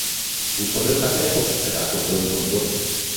Působil také jako předseda Kontrolního výboru.